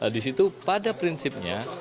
di situ pada prinsipnya